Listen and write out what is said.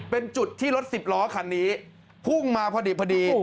เป็นจุดที่รถสิบล้อคันนี้พุ่งมาพอดี